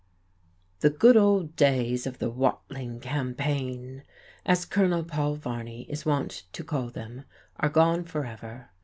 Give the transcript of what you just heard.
"The good old days of the Watling campaign," as Colonel Paul Varney is wont to call them, are gone forever.